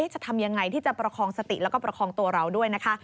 จะทำยังไงที่จะประคองสติแล้วก็ประคองตัวเราด้วยนะคะ